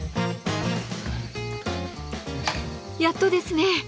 やっとですね。